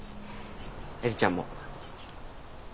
映里ちゃんも。